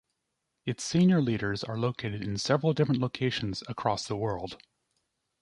Its senior leaders are located in several different locations across the world.